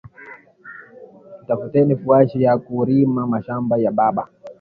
Tutafuteni fuashi yaku rima mashamba ya baba